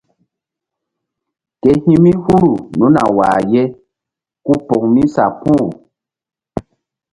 Ke hi̧ mi huru nunu a wah ye ku poŋ mi sa puh.